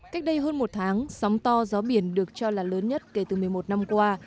cách đây hơn một tháng sóng to gió biển được cho là lớn nhất kể từ một mươi một năm qua